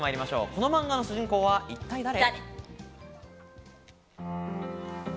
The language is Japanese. この漫画の主人公は一体誰？